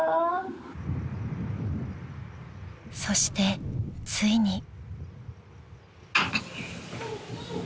［そしてついに］